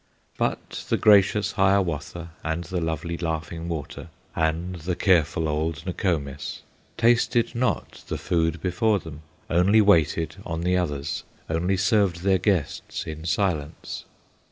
But the gracious Hiawatha, And the lovely Laughing Water, And the careful old Nokomis, Tasted not the food before them, Only waited on the others Only served their guests in silence.